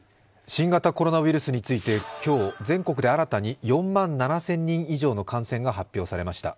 新型コロナウイルスについて今日、全国で新たに４万７０００人以上の感染が発表されました。